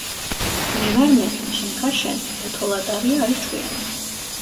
მე ვარ მე. შენ ხარ შენ. ოთო ლატარია არის ჭკვიანი.